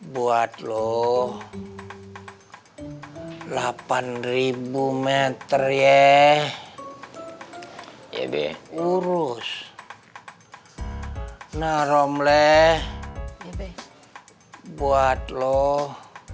buat loh delapan ribu meter ya urus naromleh buat loh